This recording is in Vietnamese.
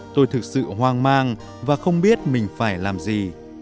tôi thực sự hoang mang và không biết mình phải làm gì